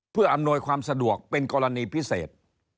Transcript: เพื่ออำนวยความสะดวกเป็นกรณีพิเศษ